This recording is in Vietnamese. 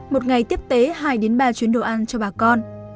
một ngày tiếp tế hai ba chuyến đồ ăn cho bà con